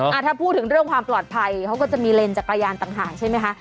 ถ้าพูดถึงเรื่องความปลอดภัยเขาก็จะมีเลนส์จักรยานต่างหากใช่ไหมคะ